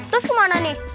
terus kemana nih